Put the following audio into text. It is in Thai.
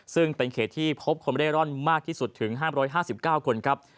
ซึ่งเป็นเขตที่พบคนเร่ร่อนมากที่สุดถึง๕๕๙คนครับ